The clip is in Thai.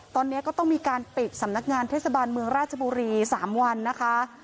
ตอนนี้ก็ต้องมีการปิดสำนักงานเทศบาลเมืองราชบุรี๓วันนะคะ